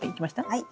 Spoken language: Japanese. はい。